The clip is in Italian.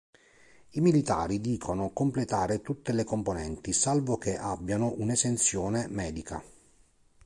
I militari dicono completare tutte le componenti salvo che abbiano un'esenzione medica.